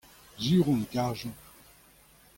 sur on e karjomp.